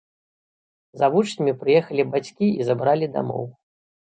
За вучнямі прыехалі бацькі і забралі дамоў.